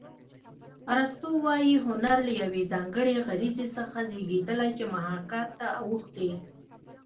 ارستو وايي هنر له یوې ځانګړې غریزې څخه زېږېدلی چې محاکات ته اوښتې